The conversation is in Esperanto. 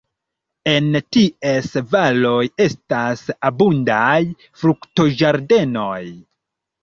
En ties valoj estas abundaj fruktoĝardenoj.